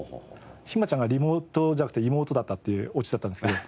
ひまちゃんが「リモート」じゃなくて「妹」だったっていうオチだったんですけど。